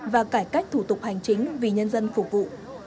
và cải cách thủ tục hành chính vì nhân dân phục vụ